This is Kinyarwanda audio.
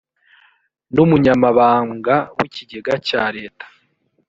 n umunyamabamga w ikigega cya leta